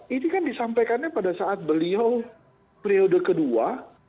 itu yang disampaikannya pada saat beliau periode kedua